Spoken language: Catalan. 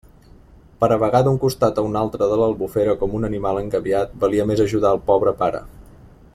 Per a vagar d'un costat a un altre de l'Albufera com un animal engabiat, valia més ajudar el pobre pare.